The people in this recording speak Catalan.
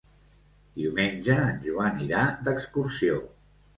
Diumenge en Joan irà d'excursió.